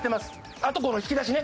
あとこの引き出しね。